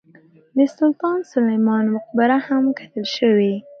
د سلطان سلیمان مقبره هم کتل شوې.